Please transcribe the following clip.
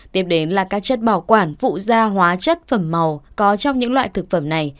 tiếp đến là các chất bảo quản phụ da hóa chất phẩm màu có trong những loại thực phẩm này